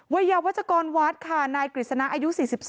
วัยยาวัชกรวัดค่ะนายกฤษณะอายุ๔๒